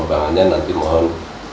jalan jalan men